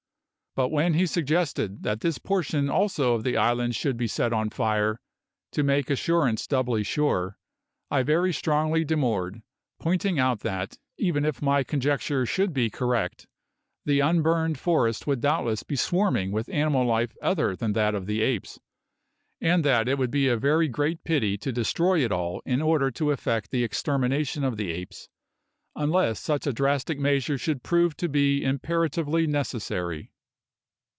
But when he suggested that this portion also of the island should be set on fire, to make assurance doubly sure, I very strongly demurred, pointing out that, even if my conjecture should be correct, the unburned forest would doubtless be swarming with animal life other than that of the apes, and that it would be a very great pity to destroy it all in order to effect the extermination of the apes, unless such a drastic measure should prove to be imperatively necessary.